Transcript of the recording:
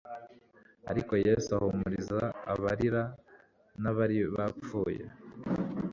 Ariko Yesu ahumuriza abarira n'abari bapfuye